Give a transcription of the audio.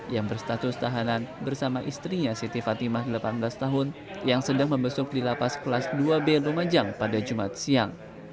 yang berstatus tahanan bersama istrinya siti fatimah delapan belas tahun yang sedang membesuk di lapas kelas dua b lumajang pada jumat siang